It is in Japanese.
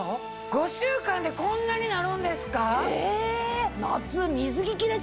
５週間でこんなになるんですか？